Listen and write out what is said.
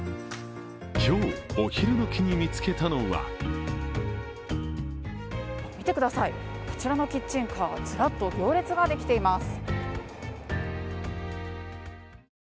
今日、お昼時に見つけたのは見てください、こちらのキッチンカーずらっと行列ができています。